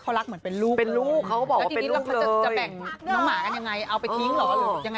เขารักเหมือนเป็นลูกเป็นลูกเขาบอกว่าเป็นลูกเลยแล้วทีนี้เราเขาจะจะแบ่งน้องหมากันยังไง